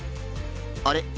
あれ？